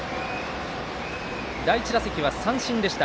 第１打席は三振でした。